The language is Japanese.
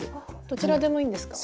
どちらでもいいんですか？